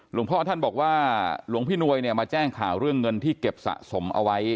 หลวงพ่อท่านบอกว่าหลวงพี่นวยเนี่ยมาแจ้งข่าวเรื่องเงินที่เก็บสะสมเอาไว้